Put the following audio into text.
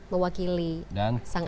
mewakili sang ayah ya